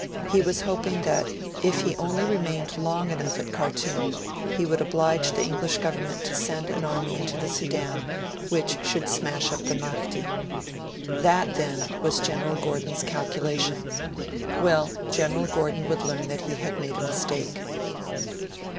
He was hoping that if he only remained long enough at Khartoum, he would oblige the English Government to send an army into the Sudan which should smash up the Mahdi. That, then, was General Gordon's calculation! Well, General Gordon would learn that he had made a mistake.